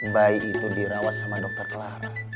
bayi itu dirawat sama dokter clara